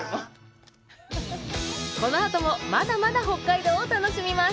このあともまだまだ北海道を楽しみます